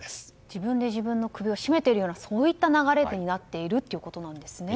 自分で自分の首を絞めているようなそういった流れになっているということですね。